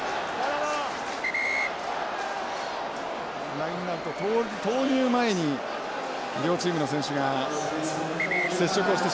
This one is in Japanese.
ラインアウト投入前に両チームの選手が接触をしてしまいました。